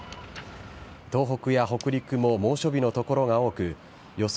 東北や北陸も猛暑日の所が多く予想